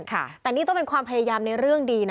แต่นี่ต้องเป็นความพยายามในเรื่องดีนะ